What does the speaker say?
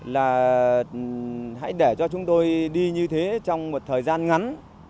là hãy để cho chúng tôi đi như thế trong một thời gian ngắn